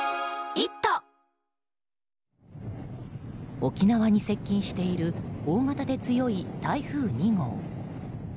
沖縄に接近している大型で強い台風２号。